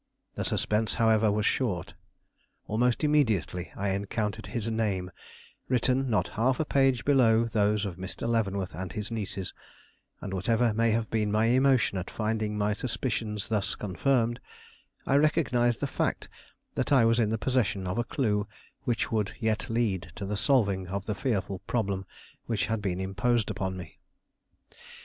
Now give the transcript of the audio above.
The suspense, however, was short. Almost immediately I encountered his name, written not half a page below those of Mr. Leavenworth and his nieces, and, whatever may have been my emotion at finding my suspicions thus confirmed, I recognized the fact that I was in the possession of a clue which would yet lead to the solving of the fearful problem which had been imposed upon me.